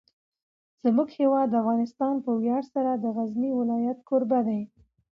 زموږ هیواد افغانستان په ویاړ سره د غزني ولایت کوربه دی.